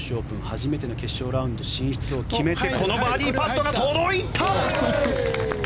初めての決勝ラウンド進出を決めてこのバーディーパットが届いた！